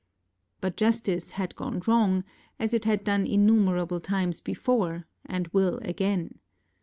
But justice had gone wrong, as it had done innumerable times before, and will again.